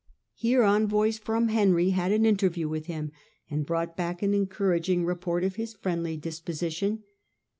Here envoys from Henry had an interview with him, and brought back an encouraging report of his friendly disposition.